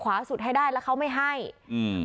สุดให้ได้แล้วเขาไม่ให้อืม